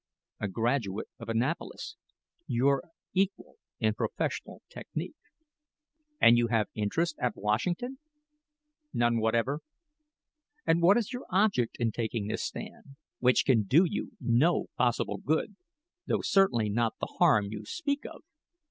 "A graduate of Annapolis. Your equal in professional technic." "And you have interest at Washington?" "None whatever." "And what is your object in taking this stand which can do you no possible good, though certainly not the harm you speak of?"